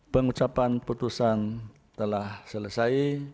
pengucapan putusan telah selesai